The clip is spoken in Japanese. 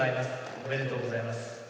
おめでとうございます。